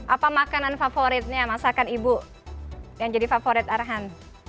apa makanan favoritnya masakan ibu yang jadi favorit arhan